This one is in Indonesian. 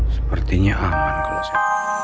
sepertinya aman kalau saya